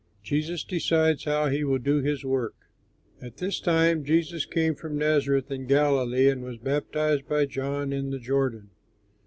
JESUS DECIDES HOW HE WILL DO HIS WORK At this time Jesus came from Nazareth in Galilee and was baptized by John in the Jordan.